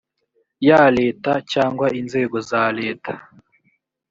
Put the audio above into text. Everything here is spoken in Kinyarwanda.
ya leta cyangwa inzego za leta